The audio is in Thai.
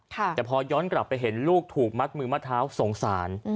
แต่พอย้อนกลับไปเห็นลูกถูกมัดมือมัดเท้าสงสาร